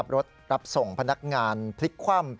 รับส่งพนักงานพลิกคว่ำ